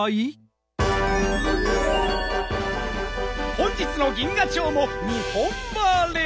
本日の銀河町も日本ばれ！